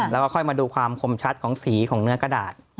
แล้วก็ค่อยมาดูความคมชัดของสีของเนื้อกระดาษ